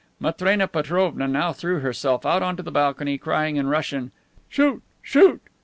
Matrena Petrovna now threw herself out onto the balcony, crying in Russian, "Shoot! Shoot!"